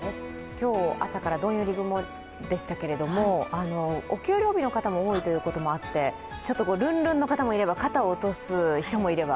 今日、朝からどんより雲でしたけれども、お給料日の方も多いということもあってちょっとルンルンの方もいれば、肩を落とす人もいれば。